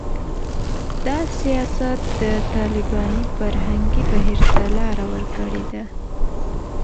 دا سیاست د طالباني فرهنګي بهیر ته لاره ورکړې ده